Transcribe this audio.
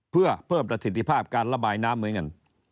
เพื่อเพิ่มประสิทธิภาพการระบายน้ำเหมือนกัน